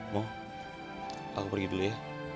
moh aku pergi dulu ya